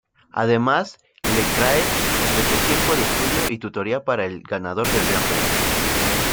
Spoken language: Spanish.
Además, Lecrae ofreció tiempo de estudio y tutoría para el ganador del gran premio.